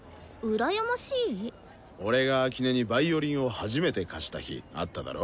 俺が秋音にヴァイオリンを初めて貸した日あっただろ？